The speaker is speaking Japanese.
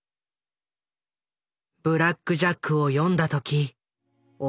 「ブラック・ジャック」を読んだ時大